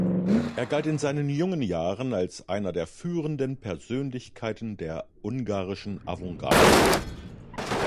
Er galt in seinen jungen Jahren als einer der führenden Persönlichkeiten der ungarischen Avantgarde.